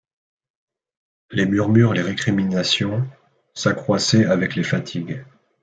Les murmures, les récriminations s’accroissaient avec les fatigues.